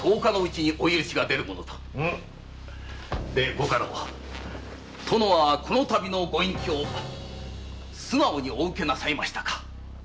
御家老殿は今回のご隠居素直にお受けなさいましたか？